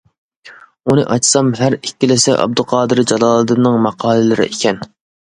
ئۇنى ئاچسام ھەر ئىككىلىسى ئابدۇقادىر جالالىدىننىڭ ماقالىلىرى ئىكەن.